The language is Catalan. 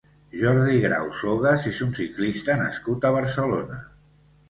Jordi Grau Sogas és un ciclista nascut a Barcelona.